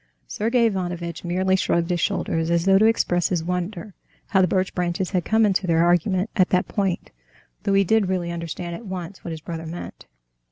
Sergey Ivanovitch merely shrugged his shoulders, as though to express his wonder how the birch branches had come into their argument at that point, though he did really understand at once what his brother meant.